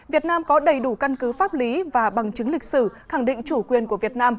việt nam có đầy đủ căn cứ pháp lý và bằng chứng lịch sử khẳng định chủ quyền của việt nam